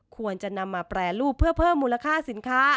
ควรจะนำมาแปรรูปเพื่อเพิ่มมูลค่าสินค้า